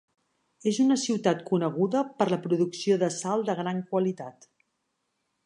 És una ciutat coneguda per la producció de sal de gran qualitat.